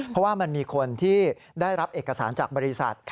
เพราะว่ามันมีคนที่ได้รับเอกสารจากบริษัท